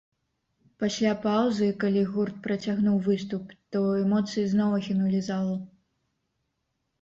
Пасля паўзы, калі гурт працягнуў выступ, то эмоцыі зноў ахінулі залу.